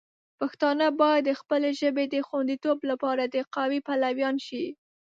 پښتانه باید د خپلې ژبې د خوندیتوب لپاره د قوی پلویان شي.